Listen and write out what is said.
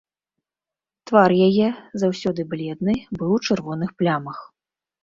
Твар яе, заўсёды бледны, быў у чырвоных плямах.